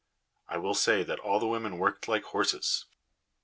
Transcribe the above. I will say that all the women worked like horses.